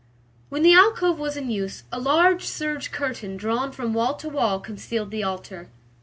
When the alcove was in use, a large serge curtain drawn from wall to wall concealed the altar.